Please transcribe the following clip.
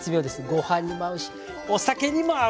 ご飯にも合うしお酒にも合う！